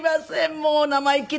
もう生意気な。